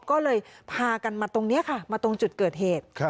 ก็เลยพากันมาตรงนี้ค่ะมาตรงจุดเกิดเหตุ